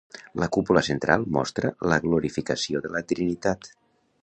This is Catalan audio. La cúpula central mostra la glorificació de la Trinitat.